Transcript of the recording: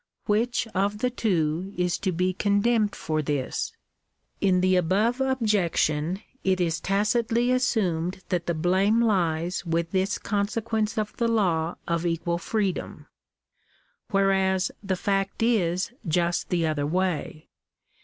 Which of the two is to be condemned for this ? In the above objection it is tacitly assumed that the blame lies with this consequence of the law of equal freedom : whereas the fact is just the other way.